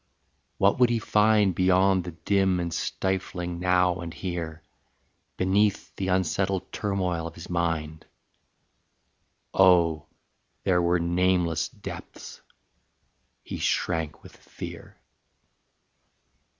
What would he find Beyond the dim and stifling now and here, Beneath the unsettled turmoil of his mind? Oh, there were nameless depths: he shrank with fear.